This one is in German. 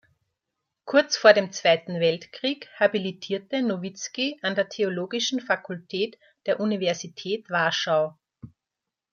Kurz vor dem Zweiten Weltkrieg habilitierte Nowicki an der Theologischen Fakultät der Universität Warschau.